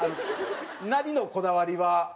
なりのこだわりは？